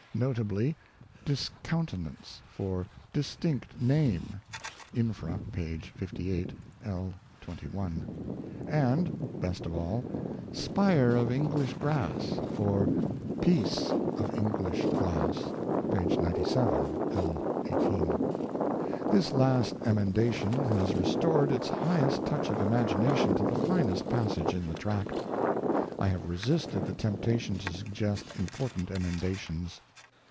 notably ' discountenance ' for ' distinct name ' {infra, p. 52, 1. 21), and (best of all) ' spire of English Grass ' for ' piece of English Glass ' (p. 97, 1. 18). This last emendation has restored its highest touch of imagination to the finest passage in the tract. I have resisted the temptation to suggest important emendations.